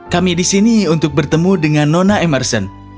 kami di sini untuk bertemu dengan nona emerson